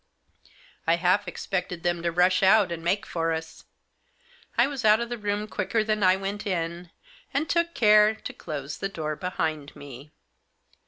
I half expected them to rush out and make for us. I was out of the room quicker than I went in, and took care to close the door behind me.